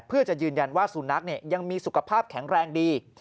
เพื่อจะยืนยันว่าสุนัขยังมีสุขภาพแข็งแรงดี